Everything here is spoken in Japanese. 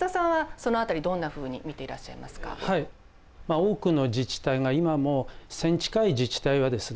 多くの自治体が今も１，０００近い自治体はですね